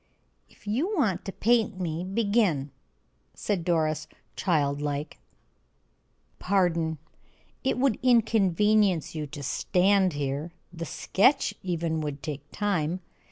"If you want to paint me, begin!" said Doris, child like. "Pardon. It would inconvenience you to stand here; the sketch even would take time.